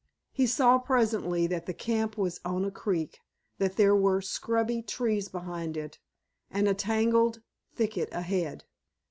He saw presently that the camp was on a creek, that there were scrubby trees behind it, and a tangled thicket ahead.